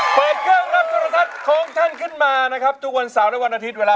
เปลี่ยนไปไม่ได้นะครับ